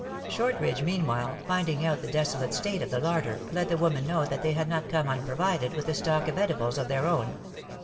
Shortridge, meanwhile, finding out the desolate state of the larder, let the woman know that they had not come unprovided with a stock of edibles of their own.